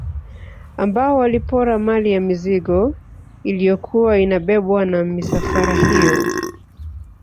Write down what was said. Ambao walipora mali na mizigo iliyokuwa inabebwa na misafara hiyo